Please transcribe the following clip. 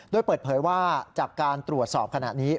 โดยเปิดเผยว่าจากการตรวจสอบขณะนี้